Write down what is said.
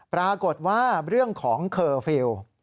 ปรากฏว่าเรื่องของเคอร์ฟิลล์